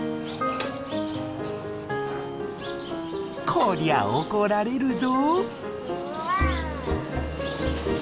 こりゃ怒られるぞ。